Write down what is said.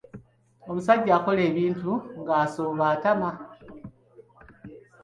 Omusajja akola ebintu ng'asooba atama.